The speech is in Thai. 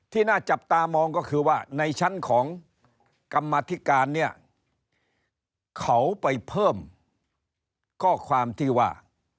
น่าจับตามองก็คือว่าในชั้นของกรรมธิการเนี่ยเขาไปเพิ่มข้อความที่ว่า